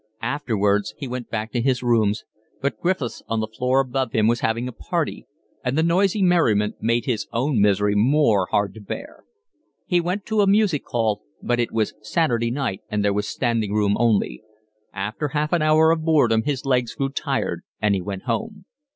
Afterwards he went back to his rooms, but Griffiths on the floor above him was having a party, and the noisy merriment made his own misery more hard to bear. He went to a music hall, but it was Saturday night and there was standing room only: after half an hour of boredom his legs grew tired and he went home.